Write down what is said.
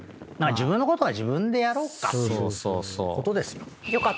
自分のことは自分でやろうかっていうことですよ。